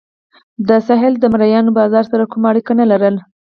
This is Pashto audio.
دا ساحل د مریانو بازار سره کومه اړیکه نه لرله.